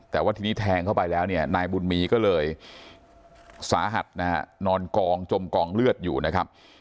แต่ว่าทีนี้แทงเข้าไปแล้วเนี่ยนายบุญมีก็เลยสาหัสนะฮะนอนกองจมกองเลือดอยู่นะครับ